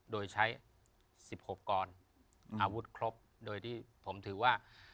โดยใช้๑๖กรอาวุธครบโดยที่ผมถือว่า